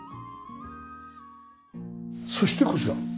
そしてこちら。